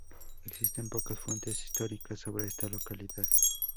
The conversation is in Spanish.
Existen pocas fuentes históricas sobre esta localidad.